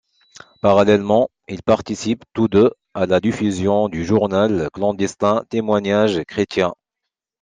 Parallèlement, ils participent tous deux à la diffusion du journal clandestin Témoignage chrétien.